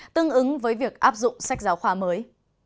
tương ứng với việc áp dụng sách giáo khoa mới